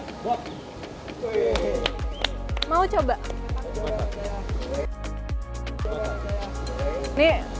kalau gak masuk kalah rizky